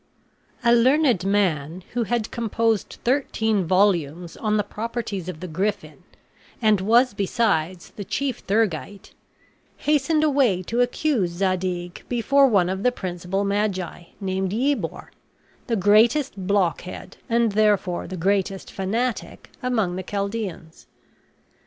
A learned man who had composed thirteen volumes on the properties of the griffin, and was besides the chief theurgite, hastened away to accuse Zadig before one of the principal magi, named Yebor, the greatest blockhead and therefore the greatest fanatic among the Chaldeans.